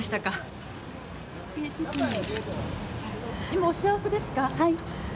今、お幸せですか？